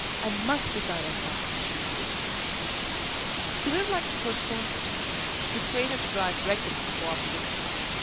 "I MUST decide on something," she repeated. He would have liked to postpone the return, to persuade her to drive directly to the Bois for dinner.